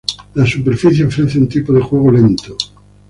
La superficie ofrece un tipo de juego lento.